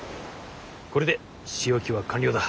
これで仕置きは完了だ。